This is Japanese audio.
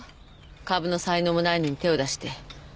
株の才能もないのに手を出して自滅したのよ。